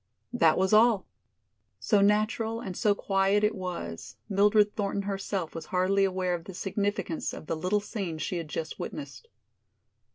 That was all! So natural and so quiet it was, Mildred Thornton herself was hardly aware of the significance of the little scene she had just witnessed.